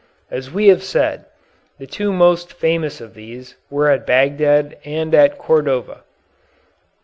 As we have said, the two most famous of these were at Bagdad and at Cordova.